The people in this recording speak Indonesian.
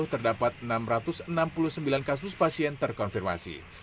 terdapat enam ratus enam puluh sembilan kasus pasien terkonfirmasi